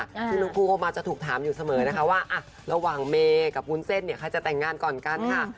ซึ่งทุกครูก็มาจะถูกถามอยู่เสมอนะคะว่าระหว่างเมกับวุ้นเซ่นเขาจะแต่งงานก่อนกันค่ะ